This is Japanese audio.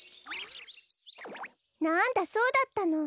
なんだそうだったの。